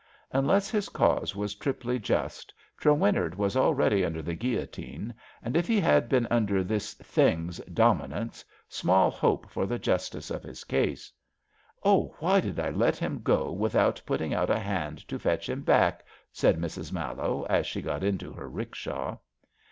Unless his canse was triply just, Trewinnard was already under the gaillotine, and if he had been nnder this *^ Thing's '^ dominance, small hope for the justice of his case. *' Oh, why did I let him go without putting out a hand to fetch him back? said Mrs. Mallowe, as she got into her 'rickshaw.